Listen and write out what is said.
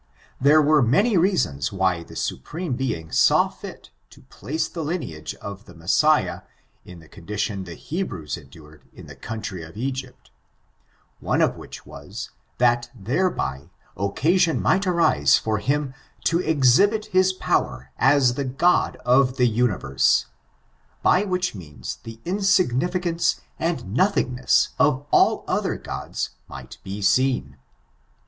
There were many reasons why the Supreme Being saw fit to place the lineage of the Messiah in the conditipii the Hebrews endured in the country of Egypt ; one of which was, that, there by, occasion might arise for him to exhibit his power as the God of the universe^ by which means the in significance and nothingness of all other gods might be seen.